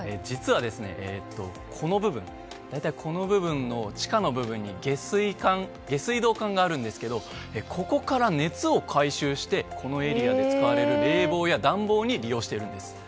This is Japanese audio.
実は、この部分の地下の部分に下水道管があるんですけどここから熱を回収してこのエリアで使われる冷房や暖房に利用しているんです。